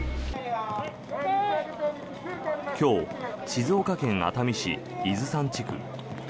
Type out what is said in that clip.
今日静岡県熱海市伊豆山地区。